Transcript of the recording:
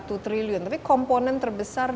satu triliun tapi komponen terbesar